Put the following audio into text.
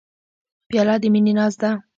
پیاله د مینې ناز ده.